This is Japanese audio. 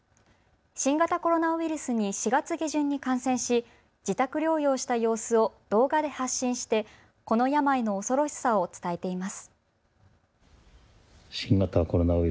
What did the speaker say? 新型コロナウイルスに４月下旬に感染し、自宅療養した様子を動画で発信してこの病の恐ろしさを伝えています。